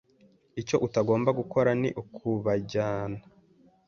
Icyo utagomba gukora ni ukubajyana